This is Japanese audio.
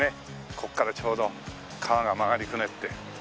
ここからちょうど川が曲がりくねって。